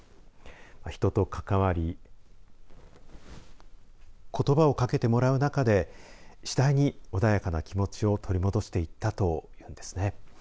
人と関わりことばをかけてもらう中で次第に穏やかな気持ちを取り戻していったというんですね。